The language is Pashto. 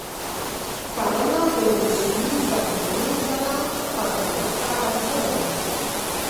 کرنه د موسمي بدلونونو سره تطابق ته اړتیا لري.